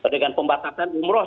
dengan pembatasan umroh